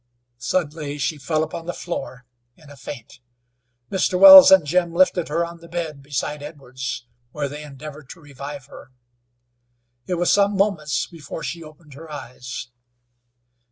Suddenly she fell upon the floor in a faint. Mr. Wells and Jim lifted her on the bed beside Edwards, where they endeavored to revive her. It was some moments before she opened her eyes.